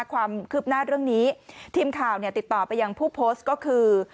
ความคืบหน้าเรื่องนี้ทีมข่าวเนี่ยติดต่อไปยังผู้โพสต์ก็คือ